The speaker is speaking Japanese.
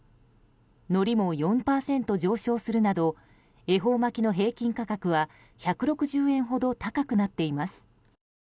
のりも４％上昇するなど恵方巻きの平均価格は１６０円ほど高くなっています。